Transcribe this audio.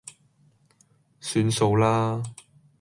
算數啦